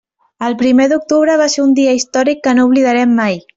El primer d'octubre va ser un dia històric que no oblidarem mai.